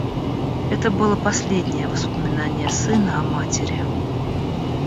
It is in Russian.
Это было последнее воспоминание сына о матери.